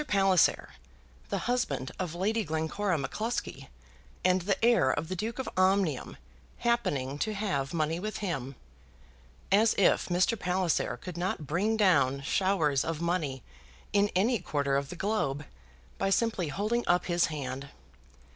Palliser, the husband of Lady Glencora M'Cluskie, and the heir of the Duke of Omnium happening to have money with him! As if Mr. Palliser could not bring down showers of money in any quarter of the globe by simply holding up his hand.